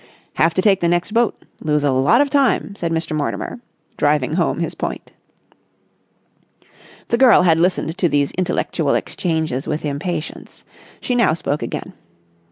"Have to take the next boat. Lose a lot of time," said Mr. Mortimer, driving home his point. The girl had listened to these intellectual exchanges with impatience. She now spoke again.